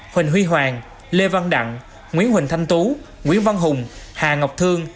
huỳnh huy hoàng lê văn đặng nguyễn huỳnh thanh tú nguyễn văn hùng hà ngọc thương